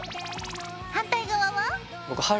反対側は？